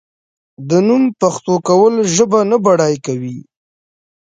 د نوم پښتو کول ژبه نه بډای کوي.